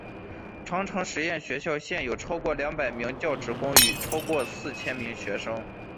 长城实验学校现有超过两百名教职工与超过四千名学生。